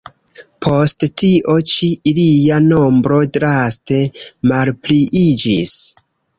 Post tio ĉi, ilia nombro draste malpliiĝis.